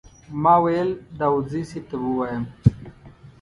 ما ویل داوودزي صیب ته به ووایم.